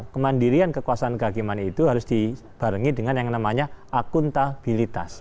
kemandirian kekuasaan kehakiman itu harus dibarengi dengan yang namanya akuntabilitas